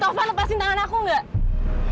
taufan lepasin tangan aku enggak